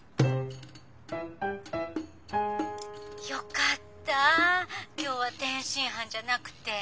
よかった今日は天津飯じゃなくて。